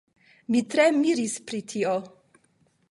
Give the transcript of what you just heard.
Mi tre miris pri tio.